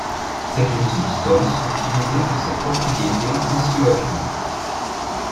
C'est une substance utilisée pour ses propriétés tensioactives.